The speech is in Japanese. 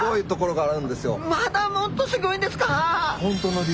まだもっとすギョいんですか？